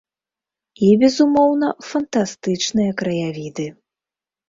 І, безумоўна, фантастычныя краявіды.